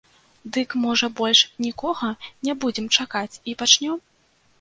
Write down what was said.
Дык, можа, больш нікога не будзем чакаць і пачнём?